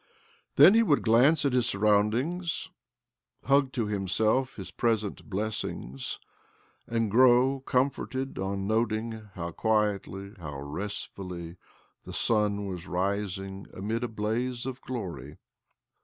Then he would glance at his surroundings, hug to himself his present blessings, and grdw comforted on noting how quietly, how restfully, the sun was rising amid a blaze of glory.